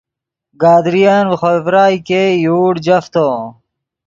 گدرین ڤے خوئے ڤرائے ګئے یوڑ جفتو